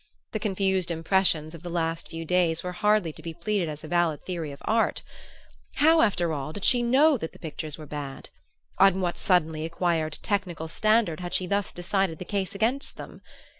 The confused impressions of the last few days were hardly to be pleaded as a valid theory of art. How, after all, did she know that the pictures were bad? On what suddenly acquired technical standard had she thus decided the case against them?